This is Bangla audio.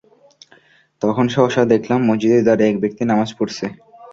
তখন সহসা দেখলাম, মসজিদে দাঁড়িয়ে এক ব্যক্তি নামায পড়ছে।